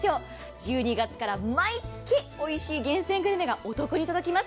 １２月から毎月おいしい厳選グルメがお得に届きます。